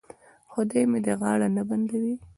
خدای مې دې غاړه نه بندوي.